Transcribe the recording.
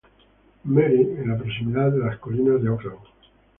Mary", en la proximidad de las colinas de Oakland.